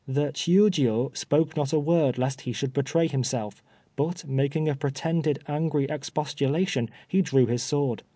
The Chiûjiô spoke not a word lest he should betray himself, but making a pretended angry expostulation, he drew his sword.